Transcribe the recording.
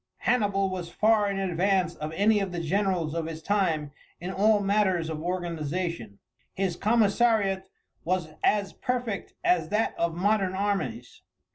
Hannibal was far in advance of any of the generals of his time in all matters of organization. His commissariat was as perfect as that of modern armies.